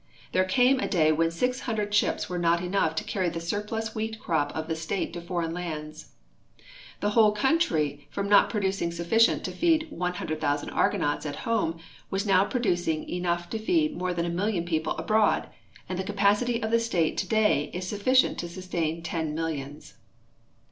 There came a day when six hundred ships were not enough to carry the surplus wheat crop of the state to foreign lands. The whole country from not producing sufficient to feed 100,000 k\ gonauts at home was now producing enough to feed more than a million people abroad, and the capacity of the state today is sufficient to sustain ten millions.